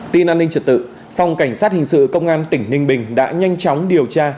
tin an ninh trật tự phòng cảnh sát hình sự công an tỉnh ninh bình đã nhanh chóng điều tra